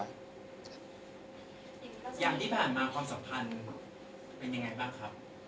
อย่างที่ผ่านมาความสัมพันธ์เป็นยังไงบ้างครับ